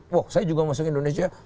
wah saya juga masuk indonesia